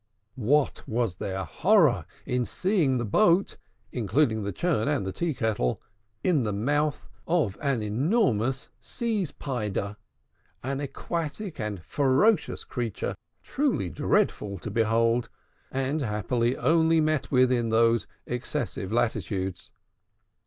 What was their horror on seeing the boat (including the churn and the tea kettle) in the mouth of an enormous Seeze Pyder, an aquatic and ferocious creature truly dreadful to behold, and, happily, only met with in those excessive longitudes!